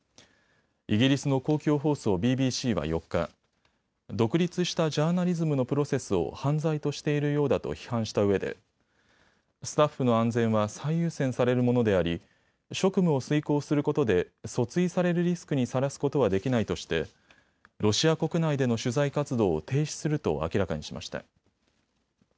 イギリスの公共放送、ＢＢＣは４日、独立したジャーナリズムのプロセスを犯罪としているようだと批判したうえでスタッフの安全は最優先されるものであり職務を遂行することで訴追されるリスクにさらすことはできないとしてロシア国内での取材活動を停止すると明らかにしました。